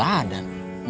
maknya bilang kalau